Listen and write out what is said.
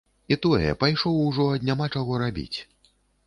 І тое, пайшоў ужо ад няма чаго рабіць.